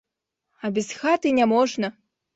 А без хаты няможна.